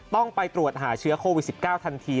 ต้องไปตรวจหาเชื้อโควิด๑๙ทันที